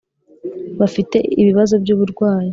bafite ibibazo by’uburwayi